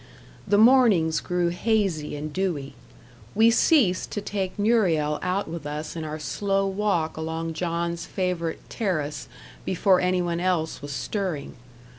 The mornings grew hazy and dewy. We ceased to take Muriel out with us in our slow walk along John's favourite "terrace" before any one else was stirring.